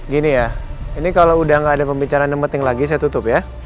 gini ya ini kalau udah gak ada pembicaraan yang penting lagi saya tutup ya